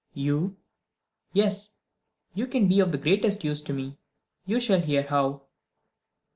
"You!" "Yes. You can be of the greatest use to me you shall hear how."